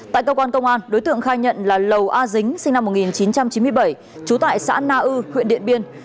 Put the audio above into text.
tại cơ quan công an đối tượng khai nhận là lầu a dính sinh năm một nghìn chín trăm chín mươi bảy trú tại xã na ư huyện điện biên